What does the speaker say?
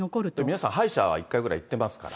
皆さん、歯医者は一回ぐらい行ってますから。